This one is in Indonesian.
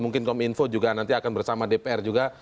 mungkin kominfo juga nanti akan bersama dpr juga